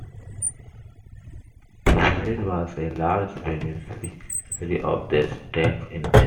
The village was a large beneficiary of these tax incentives.